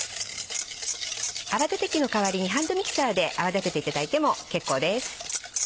泡立て器の代わりにハンドミキサーで泡立てていただいても結構です。